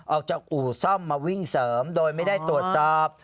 ออกจากอู่ซ่อมมาวิ่งเสริมโดยไม่ได้ตรวจสอบ